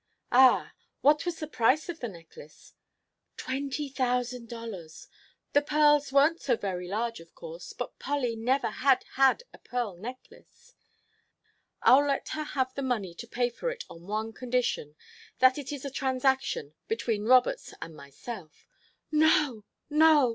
"Ah! What was the price of the necklace?" "Twenty thousand dollars. The pearls weren't so very large, of course, but Polly never had had a pearl necklace " "I'll let her have the money to pay for it on one condition that it is a transaction, between Roberts and myself " "No! No!